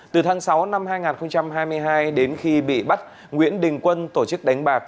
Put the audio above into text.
từ tháng sáu năm hai nghìn hai mươi hai đến khi bị bắt nguyễn đình quân tổ chức đánh bạc